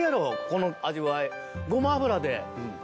この味わいごま油で。